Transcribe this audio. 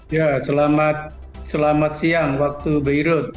ya selamat siang waktu beirut